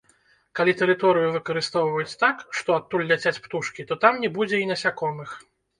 Калі тэрыторыю выкарыстоўваюць так, што адтуль ляцяць птушкі, то там не будзе і насякомых.